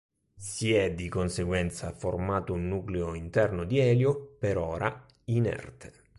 Si è di conseguenza formato un nucleo interno di elio, per ora inerte.